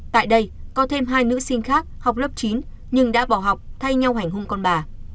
tại đây có thêm hai nữ sinh khác học lớp chín nhưng đã bỏ học thay nhau hành hung con bà